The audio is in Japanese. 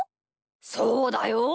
そうだよ。